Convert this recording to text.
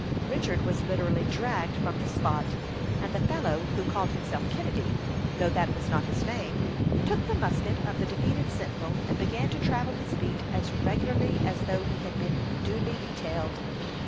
Richard was literally dragged from the spot, and the fellow who called himself Kennedy though that was not his name took the musket of the defeated sentinel, and began to travel his beat as regularly as though he had been duly detailed.